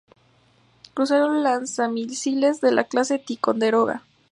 Crucero lanzamisiles de la clase Ticonderoga.